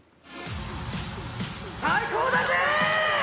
最高だぜ！